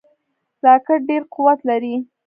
راکټ ډیر قوت لري